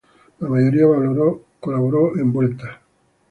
La mayoría colaboró en "Vuelta".